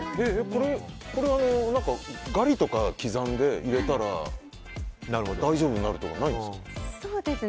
これ、ガリとか刻んで入れたら大丈夫になるとかないんですか？